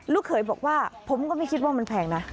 เขยบอกว่าผมก็ไม่คิดว่ามันแพงนะ